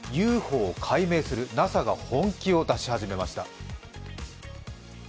ＵＦＯ解明する、ＮＡＳＡが本気を出し始めました。